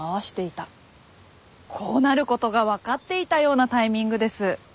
こうなる事がわかっていたようなタイミングです。